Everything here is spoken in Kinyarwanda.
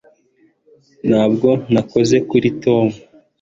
ntabwo nakoze kuri tom